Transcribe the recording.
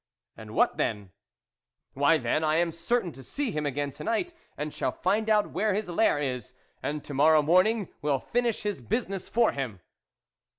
" And what then ?"" Why then, I am certain to see him again to night, and shall find out where his lair is, and to morrow morning we'll finish his business for him."